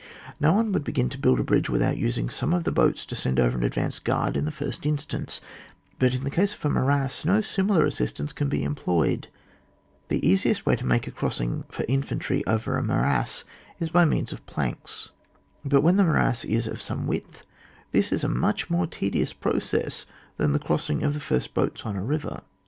No one would begin to build a bridge without using some of the boats to send over an advanced guard in the first instance ; but in the case of a morass no similar assistance can be em ployed ; the easiest way to make a cross ing for infantry over a morass is by means of planks, but when the morass is of some width, this is a much more tedious process than the crossing of the first boats on a river.